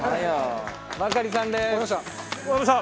バカリさんです。